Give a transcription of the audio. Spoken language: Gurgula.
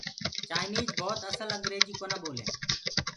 چآئيٚنج ڀوت سئي اينگريجيٚ ڪونآ ٻولينٚ۔